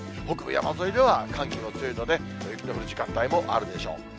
北部山沿いでは寒気も強いので、雪の降る時間帯もあるでしょう。